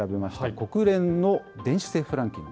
国連の電子政府ランキング。